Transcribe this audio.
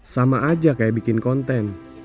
sama aja kayak bikin konten